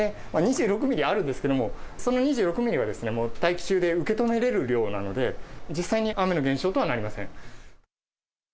２６ミリあるんですけれども、その２６ミリは、大気中で受け止められる量なので、実際に雨の現象とはなりません。